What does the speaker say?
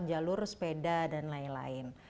jalur sepeda dan lain lain